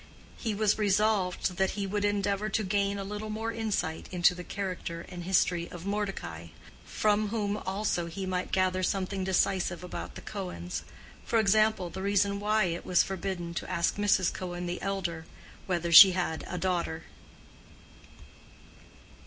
He was resolved that he would then endeavor to gain a little more insight into the character and history of Mordecai; from whom also he might gather something decisive about the Cohens—for example, the reason why it was forbidden to ask Mrs. Cohen the elder whether she had a daughter.